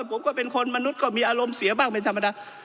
ผมก็เป็นคนมนุษย์ก็มีอารมณ์เสียบ้างเป็นธรรมดา